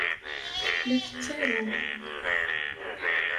La tettarum.